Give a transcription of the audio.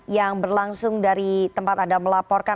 yang berlangsung dari tempat anda melaporkan